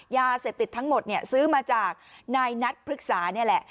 ยาเสพติดทั้งหมดเนี่ยซื้อมาจากนายนัทพฤกษานี่แหละ